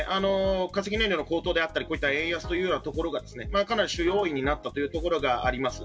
化石燃料の高騰であったり円安というところがかなり主要因になったところがあります。